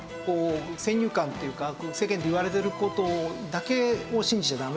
先入観っていうか世間で言われてる事だけを信じちゃダメですよね。